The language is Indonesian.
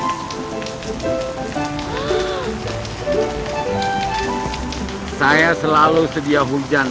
iiau selalu sedia hujan